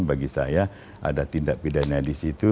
bagi saya ada tindak pidana di situ